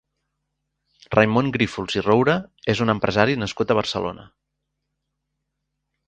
Raimon Grífols i Roura és un empresari nascut a Barcelona.